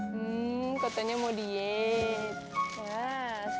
hmm katanya mau diet